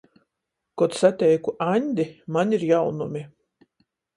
Kod sateiku Aņdi, maņ ir jaunumi.